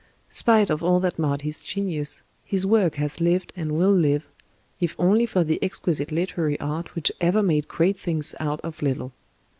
Spite of all that marred his genius, his work has lived and will live, if only for the exquisite literary art which ever made great things out of little.